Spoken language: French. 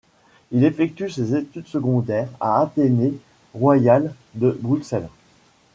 Il effectue ses études secondaires à l'Athénée Royal de Bruxelles.